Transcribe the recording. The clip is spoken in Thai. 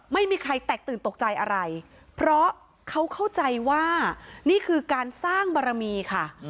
ไม่มีใครแตกตื่นตกใจอะไรเพราะเขาเข้าใจว่านี่คือการสร้างบารมีค่ะ